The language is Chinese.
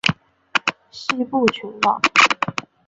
西部群岛。